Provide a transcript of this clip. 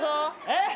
えっ？